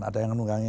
ada yang menunggangi